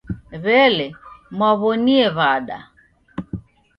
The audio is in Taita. W'elee, mwaaw'onie w'ada?